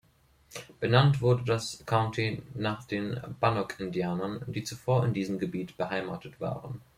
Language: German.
Benannt wurde das County nach den Bannock-Indianern, die zuvor in diesem Gebiet beheimatet waren.